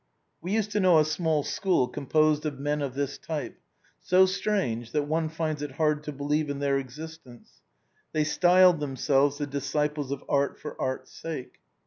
We used to know a small school composed of men of this type, so strange, that one finds it hard to believe in their existence; they styled themselves the disciples of art for art's sake.